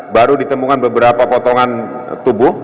baru ditemukan beberapa potongan tubuh